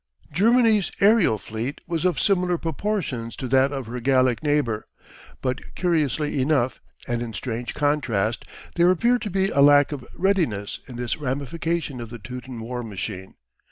Germany's aerial fleet was of similar proportions to that of her Gallic neighbour, but curiously enough, and in strange contrast, there appeared to be a lack of readiness in this ramification of the Teuton war machine.